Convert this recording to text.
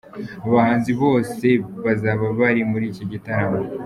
Aba bahanzi bose bazaba bari muri iki gitaramo.